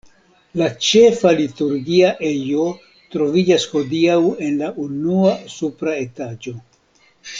La ĉefa liturgia ejo troviĝas hodiaŭ en la unua supra etaĝo.